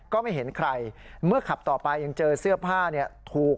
ก็ไม่เห็นใครเมื่อขับต่อไปยังเจอเสื้อผ้าเนี่ยถูก